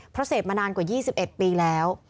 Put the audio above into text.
เพราะเสพมานานกว่า๒๑ปีแล้ว